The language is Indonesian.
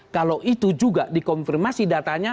kalau itu juga dikonfirmasi datanya